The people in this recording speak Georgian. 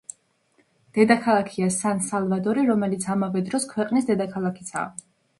დედაქალაქია სან-სალვადორი, რომელიც ამავე დროს ქვეყნის დედაქალაქიცაა.